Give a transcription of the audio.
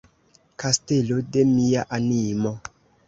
Kastelo de mia animo.